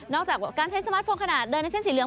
จากการใช้สมาร์ทโฟนขนาดเดินในเส้นสีเหลือง